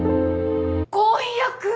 婚約？